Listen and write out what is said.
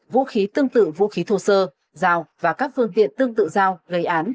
vũ khí tương tự vũ khí thô sơ dao và các phương tiện tương tự dao gây án